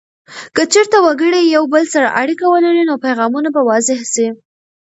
که چیرته وګړي یو بل سره اړیکه ولري، نو پیغامونه به واضح سي.